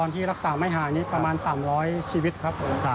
ที่รักษาไม่หายนี่ประมาณ๓๐๐ชีวิตครับ